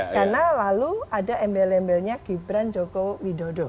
karena lalu ada embel embelnya gibran joko widodo